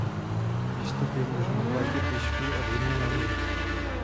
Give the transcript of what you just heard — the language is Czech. Výstup je možný v létě pěšky a v zimě na lyžích.